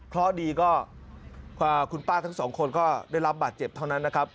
เพราะดีก็คุณป้าทั้งสองคนก็ได้รับบาดเจ็บเท่านั้นนะครับ